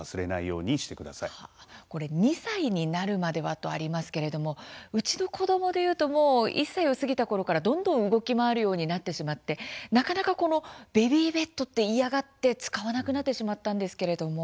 これ、２歳になるまではとありますけれどもうちの子どもでいうともう１歳を過ぎたころからどんどん動き回るようになってしまってなかなかベビーベッドって嫌がって使わなくなってしまったんですけれども。